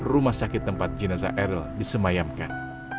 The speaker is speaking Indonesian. rumah sakit tempat jenazah eril disemayamkan